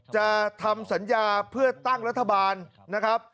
จะทำสัญญาเพื่อตั้งรัฐบาลนะครับ